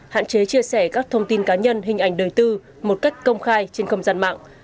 hạn chế chia sẻ các thông tin cá nhân hình ảnh đời tư một cách công khai trên không gian mạng